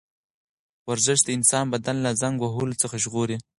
ورزش د انسان بدن له زنګ وهلو څخه ژغوري.